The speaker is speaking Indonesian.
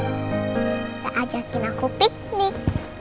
udah ajakin aku piknik